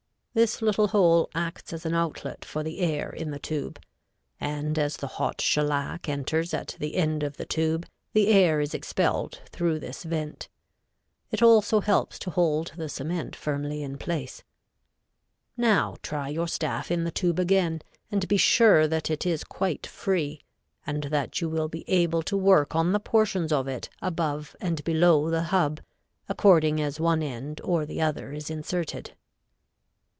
This little hole acts as an outlet for the air in the tube; and as the hot shellac enters at the end of the tube the air is expelled through this vent. It also helps to hold the cement firmly in place. Now try your staff in the tube again, and be sure that it is quite free, and that you will be able to work on the portions of it above and below the hub, according as one end or the other is inserted.